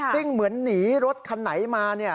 ซึ่งเหมือนหนีรถคันไหนมาเนี่ย